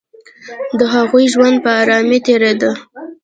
د هغوی ژوند په آرامۍ تېرېده